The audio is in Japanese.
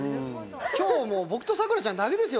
今日はもう僕と咲楽ちゃんだけですよ！